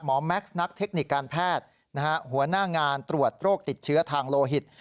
แม็กซ์นักเทคนิคการแพทย์หัวหน้างานตรวจโรคติดเชื้อทางโลหิต